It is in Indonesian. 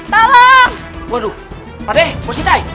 tolong waduh adek posisi